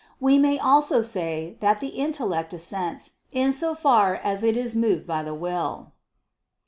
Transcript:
]. We may also say that the intellect assents, in so far as it is moved by the will.